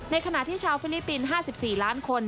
ขณะที่ชาวฟิลิปปินส์๕๔ล้านคน